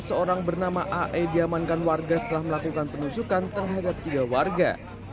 seorang bernama ae diamankan warga setelah melakukan penusukan terhadap tiga warga